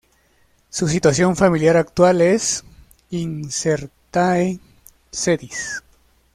Su situación familiar actual es "incertae sedis".